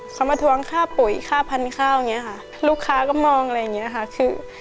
เขามาทวงค่าปุ๋ยค่าพันธุ์ข้าวอย่างนี้ค่ะลูกค้าก็มองอะไรอย่างเงี้ยค่ะคือ